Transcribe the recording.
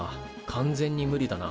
完全に無理だな。